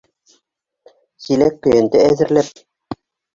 Силәк-көйәнтә әҙерләп: